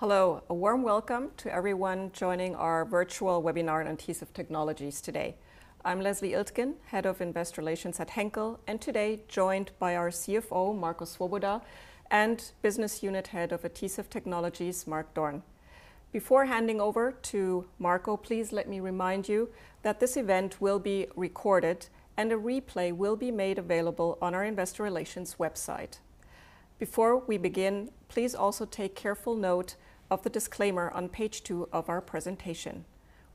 Hello, a warm welcome to everyone joining our virtual webinar on Henkel Adhesive Technologies today. I'm Leslie Iltgen, Head of Investor Relations at Henkel, and today joined by our CFO, Marco Swoboda, and Business Unit Head of Henkel Adhesive Technologies, Mark Dorn. Before handing over to Marco, please let me remind you that this event will be recorded and a replay will be made available on our Investor Relations website. Before we begin, please also take careful note of the disclaimer on page two of our presentation.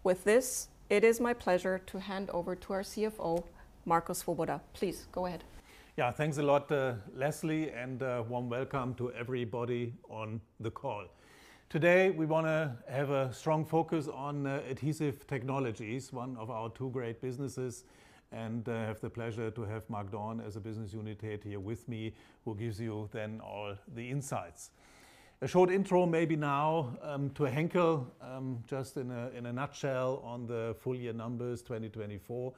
With this, it is my pleasure to hand over to our CFO, Marco Swoboda. Please go ahead. Yeah, thanks a lot, Leslie, and a warm welcome to everybody on the call. Today we want to have a strong focus on Henkel Adhesive Technologies, one of our two great businesses, and have the pleasure to have Mark Dorn as Business Unit Head here with me, who gives you then all the insights. A short intro maybe now to Henkel, just in a nutshell on the full year numbers 2024.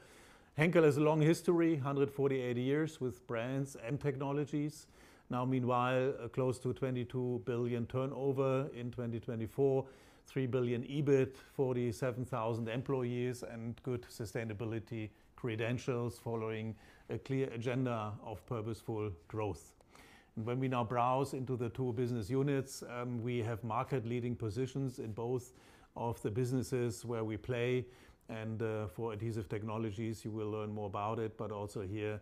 Henkel has a long history, 148 years with brands and technologies. Now, meanwhile, close to 22 billion turnover in 2024, 3 billion EBIT, 47,000 employees, and good sustainability credentials following a clear agenda of purposeful growth. When we now browse into the two business units, we have market-leading positions in both of the businesses where we play, and for Henkel Adhesive Technologies, you will learn more about it, but also here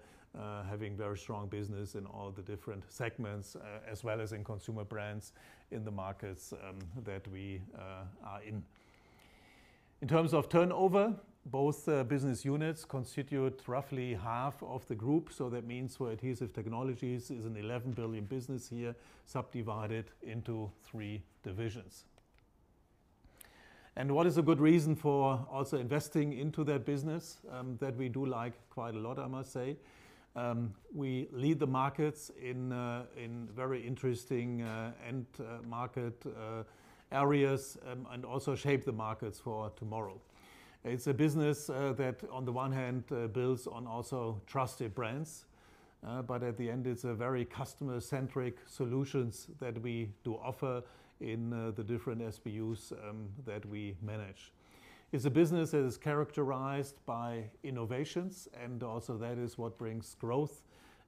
having very strong business in all the different segments, as well as in Consumer Brands in the markets that we are in. In terms of turnover, both business units constitute roughly half of the group, so that means for Henkel Adhesive Technologies is an 11 billion business here subdivided into three divisions. What is a good reason for also investing into that business that we do like quite a lot, I must say? We lead the markets in very interesting end market areas and also shape the markets for tomorrow. It's a business that on the one hand builds on also trusted brands, but at the end it's a very customer-centric solutions that we do offer in the different SBUs that we manage. It's a business that is characterized by innovations, and also that is what brings growth,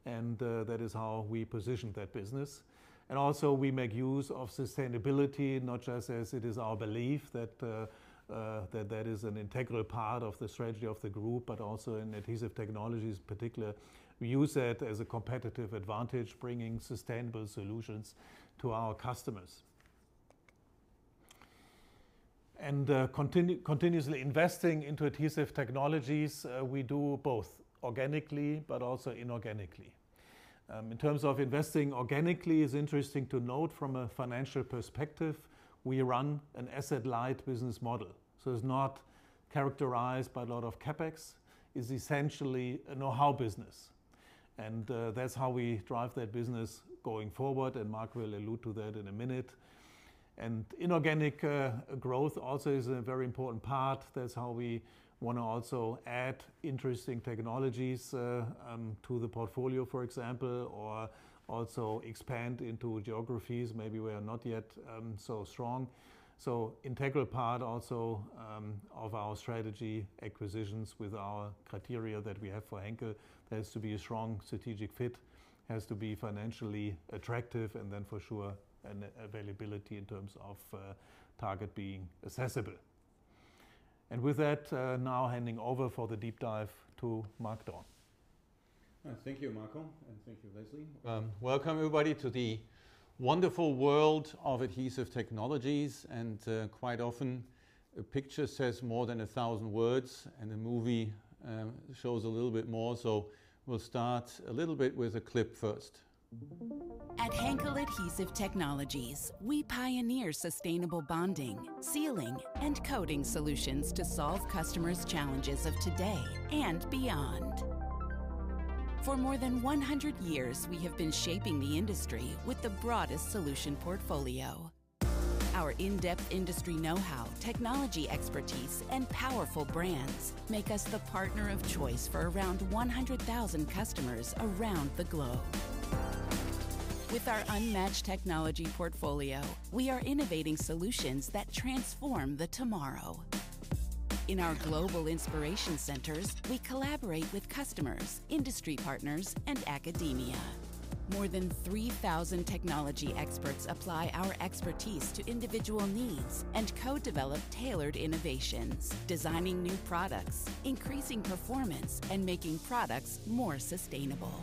and that is how we position that business, and also we make use of sustainability, not just as it is our belief that that is an integral part of the strategy of the group, but also in Henkel Adhesive Technologies in particular, we use that as a competitive advantage, bringing sustainable solutions to our customers, and continuously investing into Henkel Adhesive Technologies, we do both organically but also inorganically. In terms of investing organically, it's interesting to note from a financial perspective, we run an asset-light business model. So it's not characterized by a lot of CapEx, it's essentially a know-how business. That's how we drive that business going forward, and Mark will allude to that in a minute. Inorganic growth also is a very important part. That's how we want to also add interesting technologies to the portfolio, for example, or also expand into geographies maybe we are not yet so strong. Integral part also of our strategy acquisitions with our criteria that we have for Henkel, there has to be a strong strategic fit, has to be financially attractive, and then for sure an availability in terms of target being accessible. With that, now handing over for the deep dive to Mark Dorn. Thank you, Marco, and thank you, Leslie. Welcome, everybody, to the wonderful world of Henkel Adhesive Technologies, and quite often a picture says more than a thousand words, and a movie shows a little bit more. So we'll start a little bit with a clip first. At Henkel Adhesive Technologies, we pioneer sustainable bonding, sealing, and coating solutions to solve customers' challenges of today and beyond. For more than 100 years, we have been shaping the industry with the broadest solution portfolio. Our in-depth industry know-how, technology expertise, and powerful brands make us the partner of choice for around 100,000 customers around the globe. With our unmatched technology portfolio, we are innovating solutions that transform the tomorrow. In our global inspiration centers, we collaborate with customers, industry partners, and academia. More than 3,000 technology experts apply our expertise to individual needs and co-develop tailored innovations, designing new products, increasing performance, and making products more sustainable.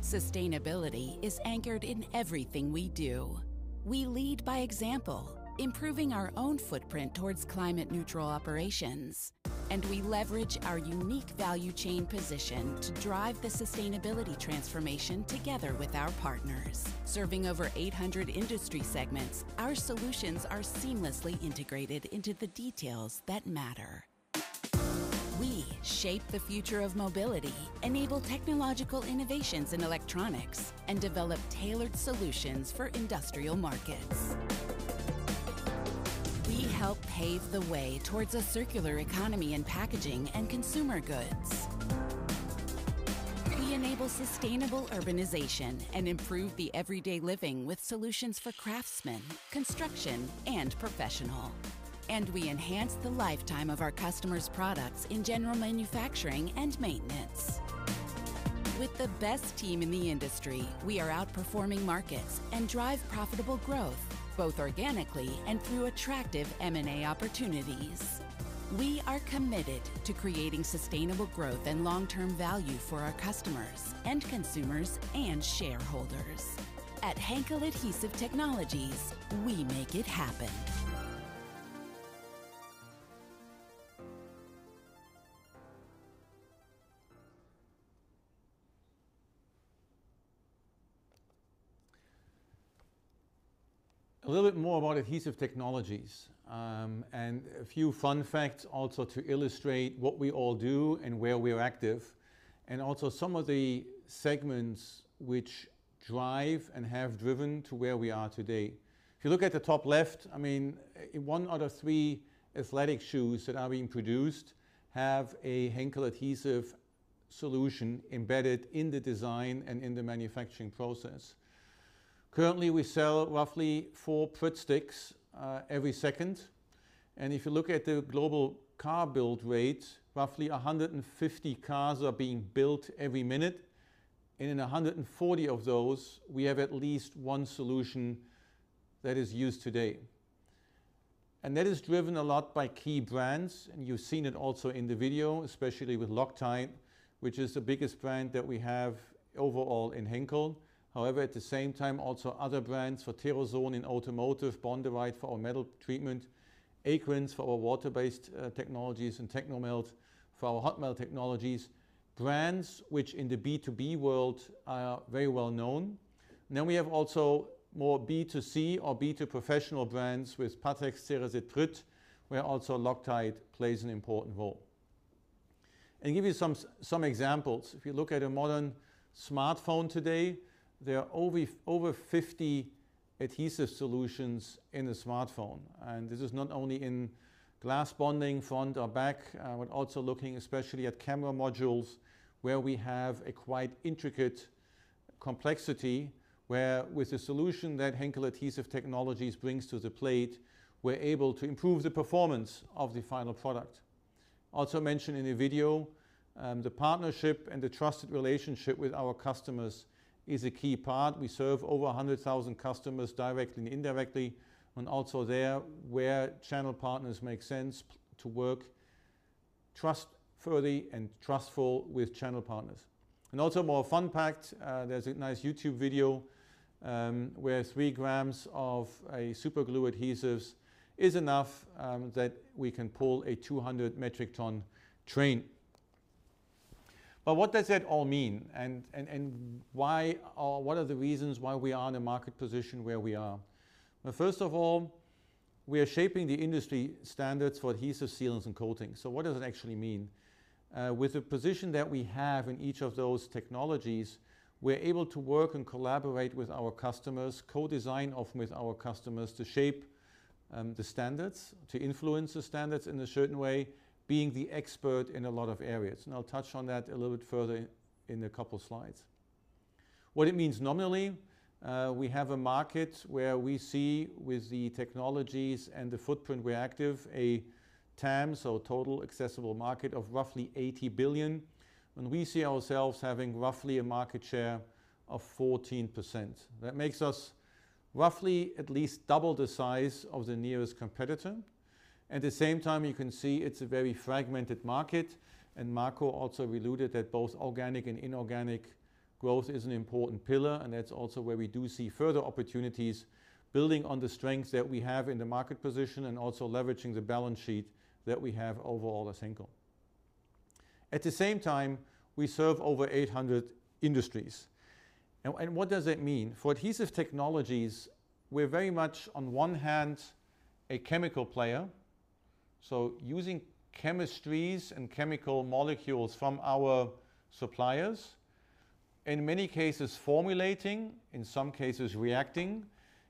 Sustainability is anchored in everything we do. We lead by example, improving our own footprint towards climate-neutral operations, and we leverage our unique value chain position to drive the sustainability transformation together with our partners. Serving over 800 industry segments, our solutions are seamlessly integrated into the details that matter. We shape the future of mobility, enable technological innovations in electronics, and develop tailored solutions for industrial markets. We help pave the way towards a circular economy in packaging and consumer goods. We enable sustainable urbanization and improve the everyday living with solutions for craftsmen, construction, and professionals, and we enhance the lifetime of our customers' products in general manufacturing and maintenance. With the best team in the industry, we are outperforming markets and drive profitable growth both organically and through attractive M&A opportunities. We are committed to creating sustainable growth and long-term value for our customers, consumers, and shareholders. At Henkel Adhesive Technologies, we make it happen. A little bit more about Henkel Adhesive Technologies and a few fun facts also to illustrate what we all do and where we are active, and also some of the segments which drive and have driven to where we are today. If you look at the top left, I mean, one out of three athletic shoes that are being produced have a Henkel adhesive solution embedded in the design and in the manufacturing process. Currently, we sell roughly four Pritt sticks every second, and if you look at the global car build rate, roughly 150 cars are being built every minute. In 140 of those, we have at least one solution that is used today, and that is driven a lot by key brands, and you've seen it also in the video, especially with Loctite, which is the biggest brand that we have overall in Henkel. However, at the same time, also other brands for Teroson in automotive, Bonderite for our metal treatment, Aquence for our water-based technologies, and Technomelt for our hot melt technologies. Brands which in the B2B world are very well known. Then we have also more B2C or B2 professional brands with Pattex, Ceresit, and Pritt, where also Loctite plays an important role. And give you some examples. If you look at a modern smartphone today, there are over 50 adhesive solutions in a smartphone. And this is not only in glass bonding front or back, but also looking especially at camera modules where we have a quite intricate complexity where with the solution that Henkel Adhesive Technologies brings to the plate, we're able to improve the performance of the final product. Also mentioned in the video, the partnership and the trusted relationship with our customers is a key part. We serve over 100,000 customers directly and indirectly, and also, there where channel partners make sense, to work trustworthy and trustful with channel partners, and also more fun fact, there's a nice YouTube video where three grams of a super glue adhesives is enough that we can pull a 200-metric-ton train, but what does that all mean and what are the reasons why we are in a market position where we are? First of all, we are shaping the industry standards for adhesive sealants and coatings, so what does it actually mean? With the position that we have in each of those technologies, we're able to work and collaborate with our customers, co-design often with our customers to shape the standards, to influence the standards in a certain way, being the expert in a lot of areas. I'll touch on that a little bit further in a couple of slides. What it means nominally, we have a market where we see with the technologies and the footprint we're active, a TAM, so total accessible market of roughly 80 billion, and we see ourselves having roughly a market share of 14%. That makes us roughly at least double the size of the nearest competitor. At the same time, you can see it's a very fragmented market, and Marco also alluded that both organic and inorganic growth is an important pillar, and that's also where we do see further opportunities building on the strengths that we have in the market position and also leveraging the balance sheet that we have overall as Henkel. At the same time, we serve over 800 industries. What does that mean? For Henkel Adhesive Technologies, we're very much on one hand a chemical player, so using chemistries and chemical molecules from our suppliers, in many cases formulating, in some cases reacting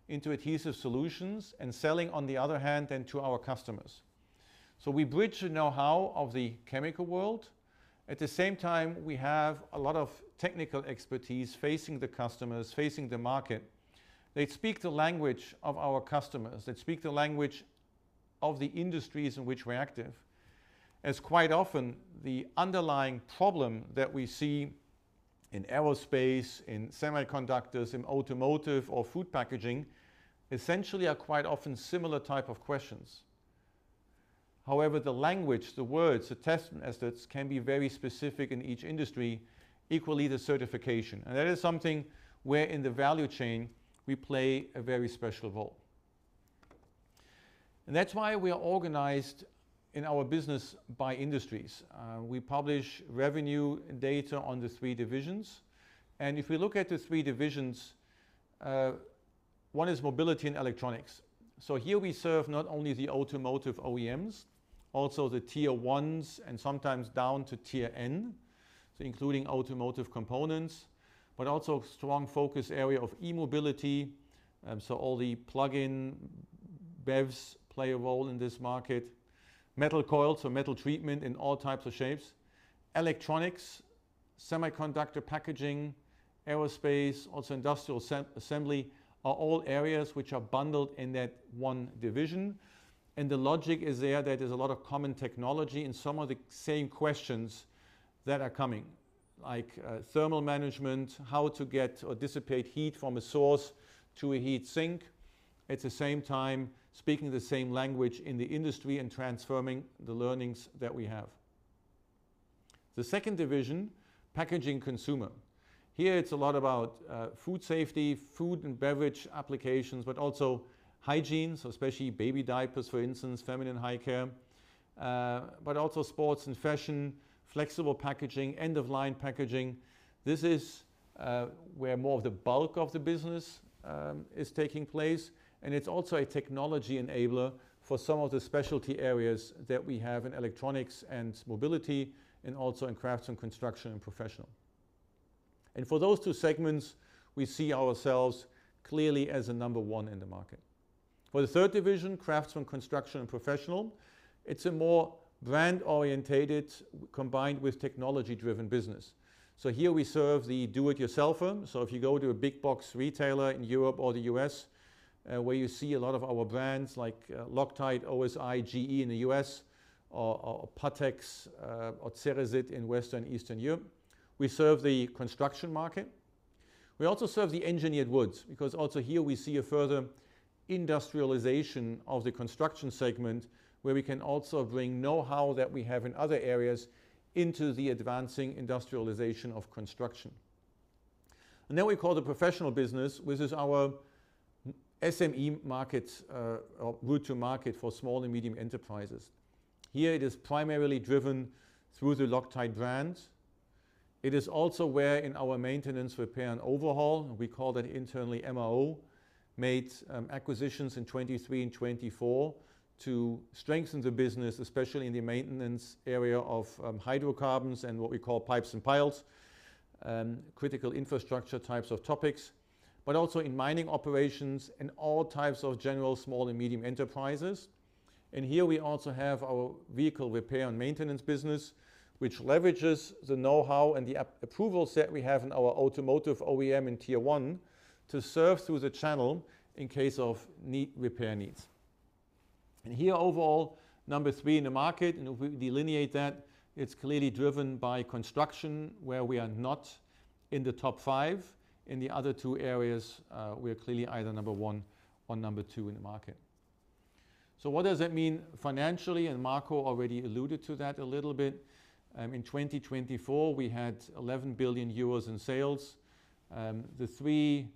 into adhesive solutions and selling on the other hand then to our customers. So we bridge the know-how of the chemical world. At the same time, we have a lot of technical expertise facing the customers, facing the market. They speak the language of our customers. They speak the language of the industries in which we're active. As quite often the underlying problem that we see in aerospace, in semiconductors, in automotive or food packaging essentially are quite often similar type of questions. However, the language, the words, the testing methods can be very specific in each industry, equally the certification. And that is something where in the value chain we play a very special role. And that's why we are organized in our business by industries. We publish revenue data on the three divisions. And if we look at the three divisions, one is mobility and electronics. So here we serve not only the automotive OEMs, also the Tier 1s and sometimes down to Tier n, so including automotive components, but also a strong focus area of e-mobility. So all the plug-in BEVs play a role in this market, metal coils, so metal treatment in all types of shapes, electronics, semiconductor packaging, aerospace, also industrial assembly are all areas which are bundled in that one division. And the logic is there that there's a lot of common technology in some of the same questions that are coming, like thermal management, how to get or dissipate heat from a source to a heat sink at the same time, speaking the same language in the industry and transforming the learnings that we have. The second division, packaging consumer. Here it's a lot about food safety, food and beverage applications, but also hygiene, so especially baby diapers, for instance, feminine high care, but also sports and fashion, flexible packaging, end-of-line packaging. This is where more of the bulk of the business is taking place, and it's also a technology enabler for some of the specialty areas that we have in electronics and mobility and also in crafts and construction and professional. And for those two segments, we see ourselves clearly as a number one in the market. For the third division, crafts and construction and professional, it's a more brand-oriented, combined with technology-driven business. So here we serve the do-it-yourselfer. So if you go to a big box retailer in Europe or the U.S. where you see a lot of our brands like Loctite, OSI, GE in the U.S., or Pattex or Ceresit in Western and Eastern Europe, we serve the construction market. We also serve the engineered goods because also here we see a further industrialization of the construction segment where we can also bring know-how that we have in other areas into the advancing industrialization of construction. And then we call the professional business, which is our SME market or route to market for small and medium enterprises. Here it is primarily driven through the Loctite brand. It is also where in our maintenance, repair, and overhaul, we call that internally MRO, made acquisitions in 2023 and 2024 to strengthen the business, especially in the maintenance area of hydrocarbons and what we call pipes and piles, critical infrastructure types of topics, but also in mining operations and all types of general small and medium enterprises, and here we also have our vehicle repair and maintenance business, which leverages the know-how and the approval set we have in our automotive OEM in tier one to serve through the channel in case of repair needs, and here overall, number three in the market, and if we delineate that, it is clearly driven by construction where we are not in the top five. In the other two areas, we are clearly either number one or number two in the market, so what does that mean financially? Marco already alluded to that a little bit. In 2024, we had 11 billion euros in sales. The three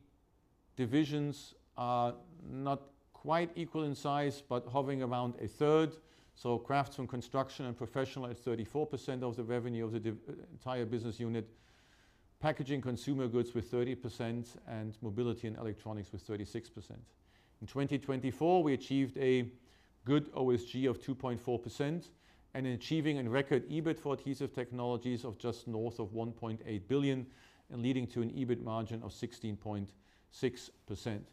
divisions are not quite equal in size, but hovering around a third. So crafts and construction and professional is 34% of the revenue of the entire business unit, packaging consumer goods with 30%, and mobility and electronics with 36%. In 2024, we achieved a good OSG of 2.4% and achieving a record EBIT for Henkel Adhesive Technologies of just north of 1.8 billion and leading to an EBIT margin of 16.6%. Henkel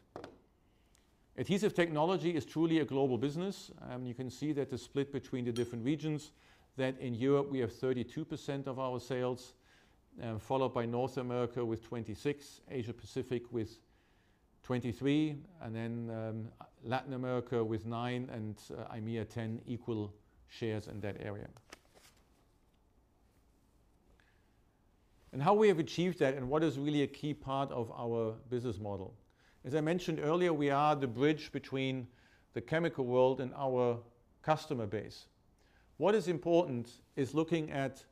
Adhesive Technologies is truly a global business. You can see that the split between the different regions that in Europe we have 32% of our sales, followed by North America with 26%, Asia Pacific with 23%, and then Latin America with 9% and IMEA 10% equal shares in that area. And how we have achieved that and what is really a key part of our business model? As I mentioned earlier, we are the bridge between the chemical world and our customer base. What is important is looking at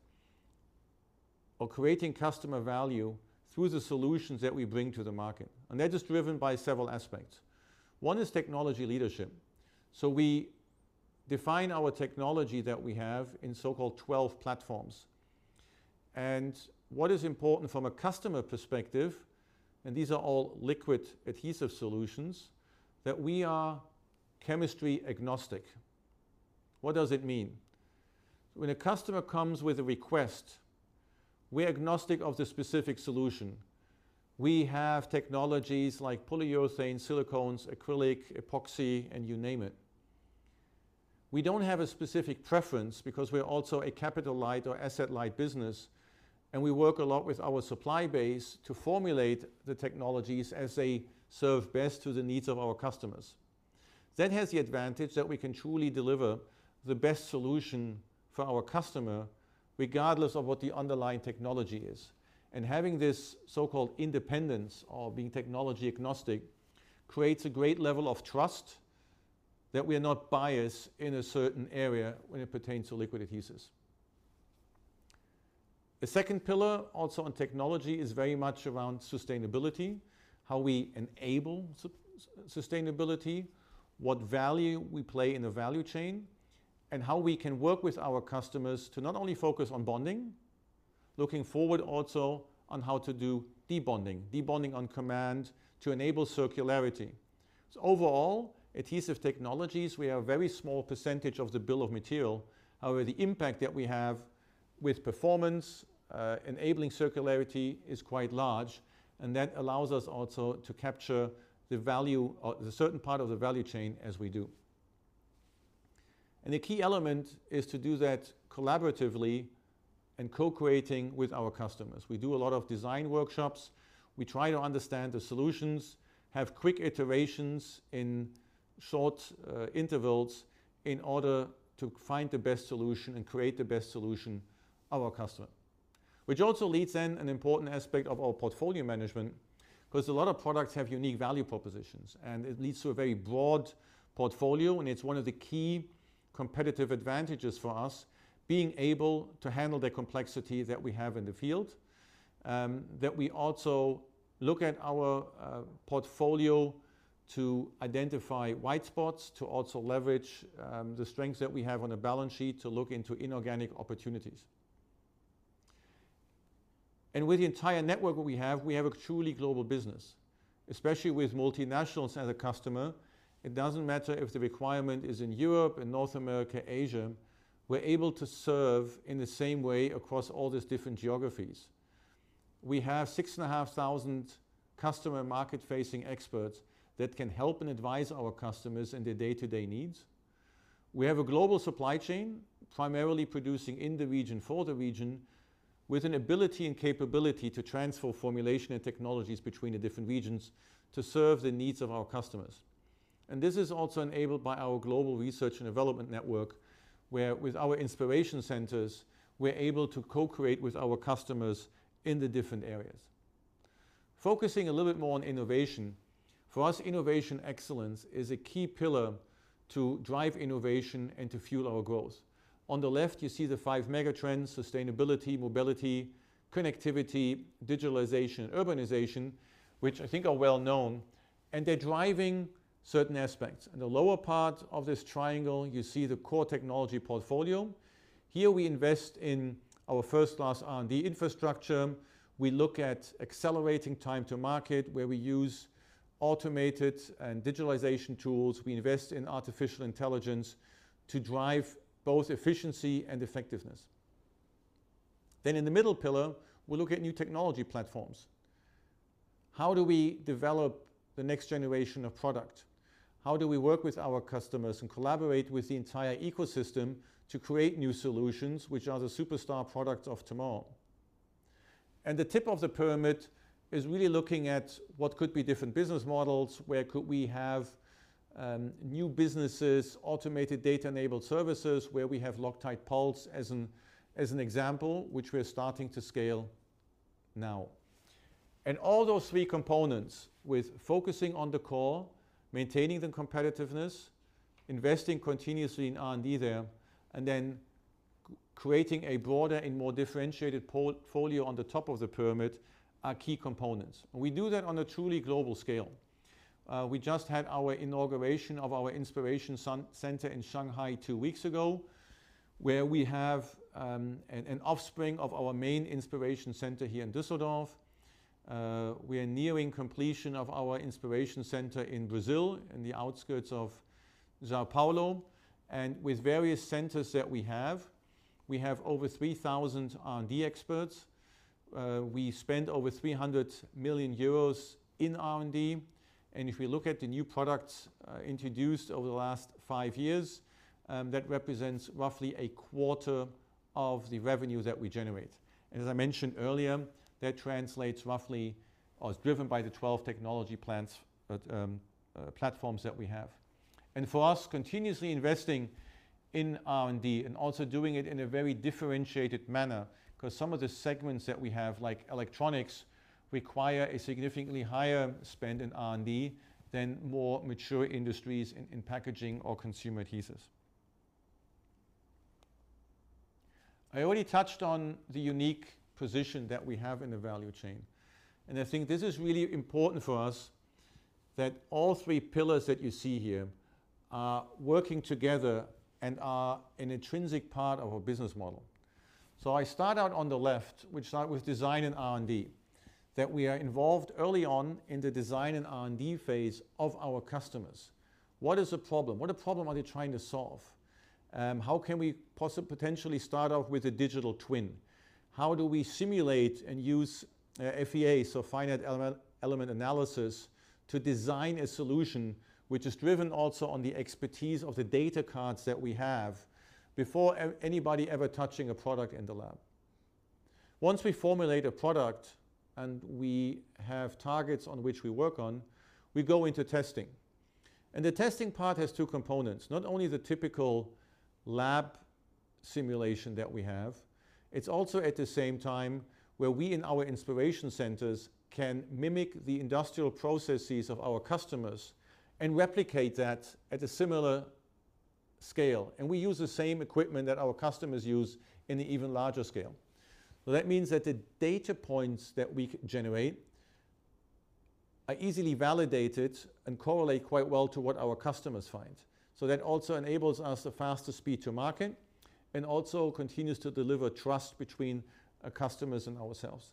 or creating customer value through the solutions that we bring to the market. And that is driven by several aspects. One is technology leadership. So we define our technology that we have in so-called 12 platforms. And what is important from a customer perspective, and these are all liquid adhesive solutions, that we are chemistry agnostic. What does it mean? When a customer comes with a request, we're agnostic of the specific solution. We have technologies like polyurethane, silicones, acrylic, epoxy, and you name it. We don't have a specific preference because we're also a capital-light or asset-light business, and we work a lot with our supply base to formulate the technologies as they serve best to the needs of our customers. That has the advantage that we can truly deliver the best solution for our customer regardless of what the underlying technology is. And having this so-called independence or being technology agnostic creates a great level of trust that we are not biased in a certain area when it pertains to liquid adhesives. The second pillar also on technology is very much around sustainability, how we enable sustainability, what value we play in the value chain, and how we can work with our customers to not only focus on bonding, looking forward also on how to do debonding, debonding on command to enable circularity. Overall, Adhesive Technologies, we have a very small percentage of the bill of material. However, the impact that we have with performance, enabling circularity is quite large, and that allows us also to capture the value of a certain part of the value chain as we do. The key element is to do that collaboratively and co-creating with our customers. We do a lot of design workshops. We try to understand the solutions, have quick iterations in short intervals in order to find the best solution and create the best solution for our customer, which also leads to an important aspect of our portfolio management because a lot of products have unique value propositions, and it leads to a very broad portfolio, and it's one of the key competitive advantages for us being able to handle the complexity that we have in the field, that we also look at our portfolio to identify white spaces, to also leverage the strengths that we have on a balance sheet to look into inorganic opportunities, and with the entire network we have, we have a truly global business, especially with multinationals as a customer. It doesn't matter if the requirement is in Europe, in North America, Asia. We're able to serve in the same way across all these different geographies. We have 6,500 customer market-facing experts that can help and advise our customers in their day-to-day needs. We have a global supply chain primarily producing in the region for the region with an ability and capability to transfer formulation and technologies between the different regions to serve the needs of our customers. And this is also enabled by our global research and development network where, with our inspiration centers, we're able to co-create with our customers in the different areas. Focusing a little bit more on innovation, for us, innovation excellence is a key pillar to drive innovation and to fuel our growth. On the left, you see the five megatrends: sustainability, mobility, connectivity, digitalization, and urbanization, which I think are well-known, and they're driving certain aspects. In the lower part of this triangle, you see the core technology portfolio. Here we invest in our first-class R&D infrastructure. We look at accelerating time to market where we use automated and digitalization tools. We invest in artificial intelligence to drive both efficiency and effectiveness. Then in the middle pillar, we look at new technology platforms. How do we develop the next generation of product? How do we work with our customers and collaborate with the entire ecosystem to create new solutions, which are the superstar products of tomorrow? And the tip of the pyramid is really looking at what could be different business models, where could we have new businesses, automated data-enabled services where we have Loctite Pulse as an example, which we're starting to scale now. And all those three components, with focusing on the core, maintaining the competitiveness, investing continuously in R&D there, and then creating a broader and more differentiated portfolio on the top of the pyramid, are key components. And we do that on a truly global scale. We just had our inauguration of our inspiration center in Shanghai two weeks ago, where we have an offspring of our main inspiration center here in Düsseldorf. We are nearing completion of our inspiration center in Brazil, in the outskirts of São Paulo. And with various centers that we have, we have over 3,000 R&D experts. We spend over 300 million euros in R&D. And if we look at the new products introduced over the last five years, that represents roughly a quarter of the revenue that we generate. And as I mentioned earlier, that translates roughly or is driven by the 12 technology platforms that we have. And for us, continuously investing in R&D and also doing it in a very differentiated manner because some of the segments that we have, like electronics, require a significantly higher spend in R&D than more mature industries in packaging or consumer adhesives. I already touched on the unique position that we have in the value chain. And I think this is really important for us that all three pillars that you see here are working together and are an intrinsic part of our business model. So I start out on the left, which starts with design and R&D, that we are involved early on in the design and R&D phase of our customers. What is the problem? What problem are they trying to solve? How can we potentially start off with a digital twin? How do we simulate and use FEA, so finite element analysis, to design a solution which is driven also on the expertise of the data cards that we have before anybody ever touching a product in the lab? Once we formulate a product and we have targets on which we work on, we go into testing. And the testing part has two components. Not only the typical lab simulation that we have, it's also at the same time where we in our inspiration centers can mimic the industrial processes of our customers and replicate that at a similar scale. And we use the same equipment that our customers use in an even larger scale. That means that the data points that we generate are easily validated and correlate quite well to what our customers find. So that also enables us a faster speed to market and also continues to deliver trust between our customers and ourselves.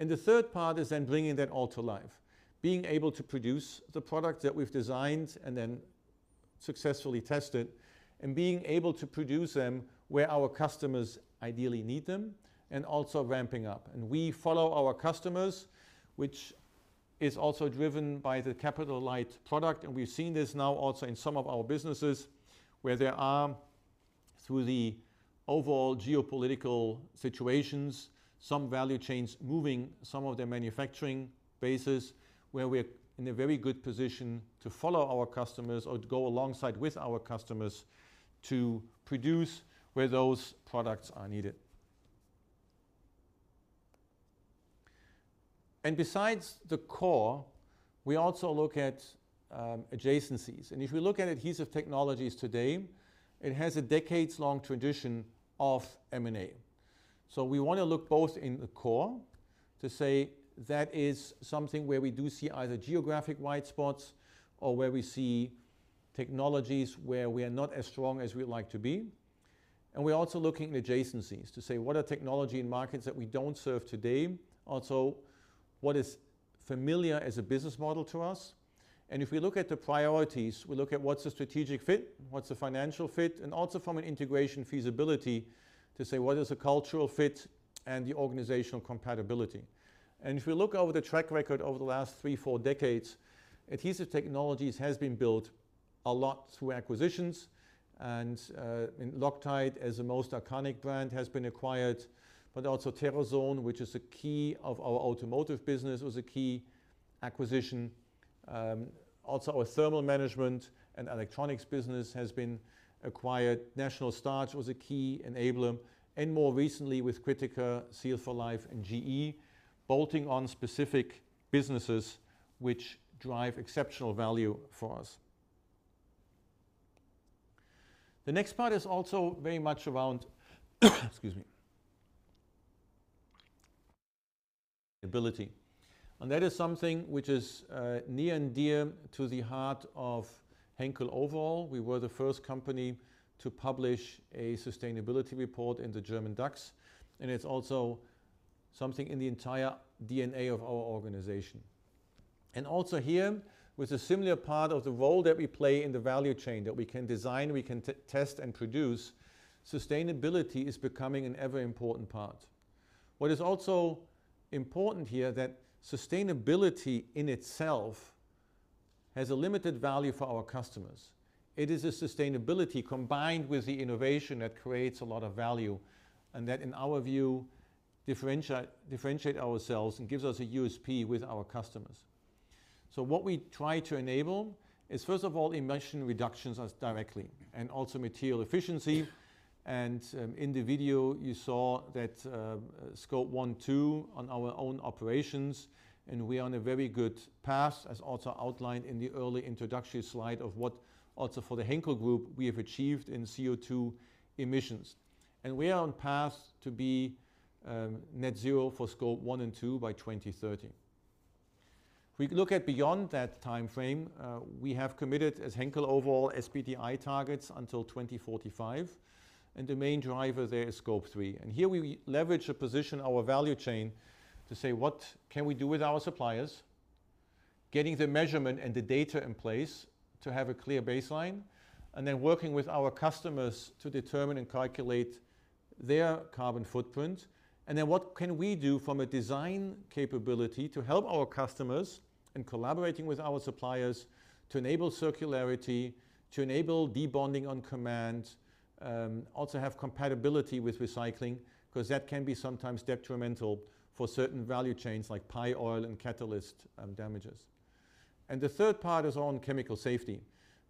And the third part is then bringing that all to life, being able to produce the product that we've designed and then successfully tested and being able to produce them where our customers ideally need them and also ramping up. And we follow our customers, which is also driven by the capital-light product. And we've seen this now also in some of our businesses where there are, through the overall geopolitical situations, some value chains moving some of their manufacturing bases where we're in a very good position to follow our customers or go alongside with our customers to produce where those products are needed. And besides the core, we also look at adjacencies. And if we look at Adhesive Technologies today, it has a decades-long tradition of M&A. So we want to look both in the core to say that is something where we do see either geographic white spots or where we see technologies where we are not as strong as we'd like to be. We're also looking at adjacencies to say what are technology and markets that we don't serve today, also what is familiar as a business model to us. If we look at the priorities, we look at what's the strategic fit, what's the financial fit, and also from an integration feasibility to say what is the cultural fit and the organizational compatibility. If we look over the track record over the last three, four decades, Adhesive Technologies has been built a lot through acquisitions. Loctite, as the most iconic brand, has been acquired, but also Teroson, which is a key of our automotive business, was a key acquisition. Also our thermal management and electronics business has been acquired. National Starch was a key enabler. And more recently with Critica Infrastructure, Seal for Life, and GE bolting on specific businesses which drive exceptional value for us. The next part is also very much around, excuse me, sustainability. And that is something which is near and dear to the heart of Henkel overall. We were the first company to publish a sustainability report in the German DAX, and it's also something in the entire DNA of our organization. And also here, with a similar part of the role that we play in the value chain that we can design, we can test and produce, sustainability is becoming an ever-important part. What is also important here is that sustainability in itself has a limited value for our customers. It is a sustainability combined with the innovation that creates a lot of value and that, in our view, differentiate ourselves and gives us a USP with our customers, so what we try to enable is, first of all, emission reductions directly and also material efficiency, and in the video, you saw that Scope 1, 2 on our own operations, and we are on a very good path, as also outlined in the early introductory slide of what also for the Henkel Group we have achieved in CO2 emissions, and we are on path to be net zero for Scope 1 and 2 by 2030. We look at beyond that time frame. We have committed as Henkel overall SBTi targets until 2045, and the main driver there is Scope 3. Here we leverage the position, our value chain, to say what can we do with our suppliers, getting the measurement and the data in place to have a clear baseline, and then working with our customers to determine and calculate their carbon footprint. Then what can we do from a design capability to help our customers and collaborating with our suppliers to enable circularity, to enable debonding on command, also have compatibility with recycling because that can be sometimes detrimental for certain value chains like pyrolysis and catalyst damages. The third part is on chemical safety,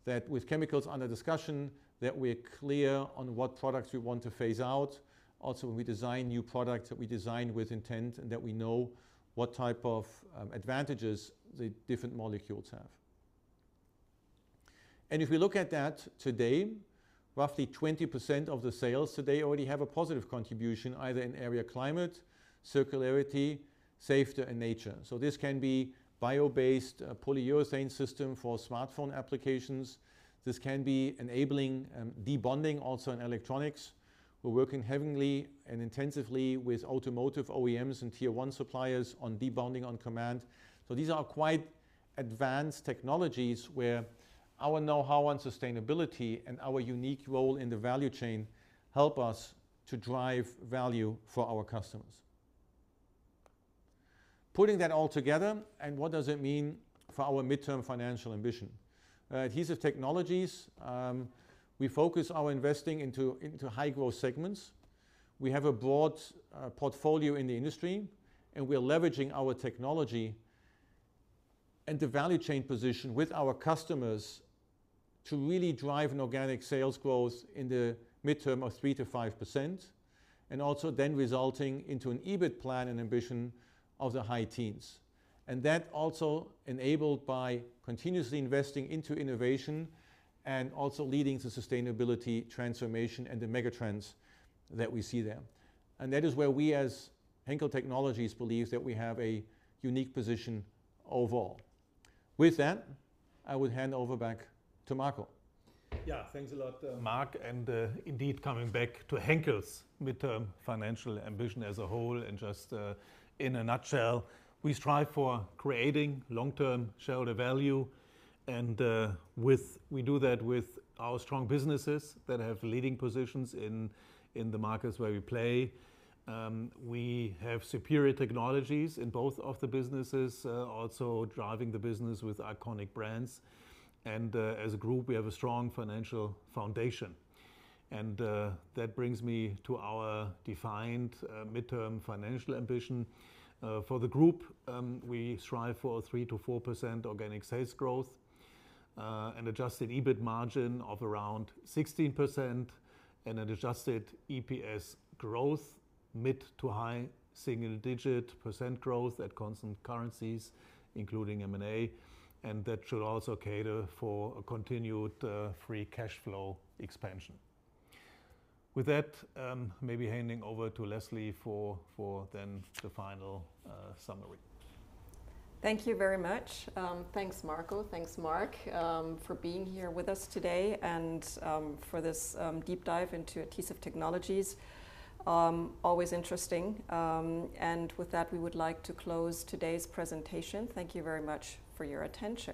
that with chemicals under discussion, that we're clear on what products we want to phase out. Also, when we design new products, that we design with intent and that we know what type of advantages the different molecules have. If we look at that today, roughly 20% of the sales today already have a positive contribution either in areas climate, circularity, safety, and nature. This can be bio-based polyurethane system for smartphone applications. This can be enabling debonding also in electronics. We're working heavily and intensively with automotive OEMs and Tier 1 suppliers on debonding on command. These are quite advanced technologies where our know-how on sustainability and our unique role in the value chain help us to drive value for our customers. Putting that all together, and what does it mean for our midterm financial ambition? Adhesive Technologies, we focus our investing into high-growth segments. We have a broad portfolio in the industry, and we're leveraging our technology and the value chain position with our customers to really drive an organic sales growth in the midterm of 3%-5%, and also then resulting into an EBIT plan and ambition of the high teens, and that also enabled by continuously investing into innovation and also leading the sustainability transformation and the megatrends that we see there, and that is where we as Henkel Technologies believe that we have a unique position overall. With that, I would hand over back to Marco. Yeah, thanks a lot, Mark, and indeed, coming back to Henkel's midterm financial ambition as a whole and just in a nutshell, we strive for creating long-term shareholder value, and we do that with our strong businesses that have leading positions in the markets where we play. We have superior technologies in both of the businesses, also driving the business with iconic brands. As a group, we have a strong financial foundation. That brings me to our defined midterm financial ambition. For the group, we strive for 3-4% organic sales growth and adjusted EBIT margin of around 16% and an adjusted EPS growth, mid- to high-single-digit % growth at constant currencies, including M&A, and that should also cater for continued free cash flow expansion. With that, maybe handing over to Leslie for then the final summary. Thank you very much. Thanks, Marco. Thanks, Mark, for being here with us today and for this deep dive into adhesive technologies. Always interesting. With that, we would like to close today's presentation. Thank you very much for your attention.